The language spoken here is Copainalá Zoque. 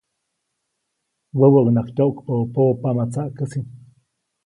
Wäwäʼunŋaʼajk tyoʼkpäʼu pobopama tsaʼkäsi.